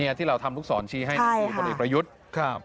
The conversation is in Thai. นี่ที่เราทำลูกศรชี้ให้หน้าที่พลเอกประยุทธ์ครับใช่ค่ะ